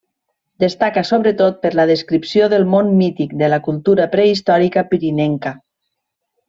Destaca sobretot per la descripció del món mític de la cultura prehistòrica pirinenca.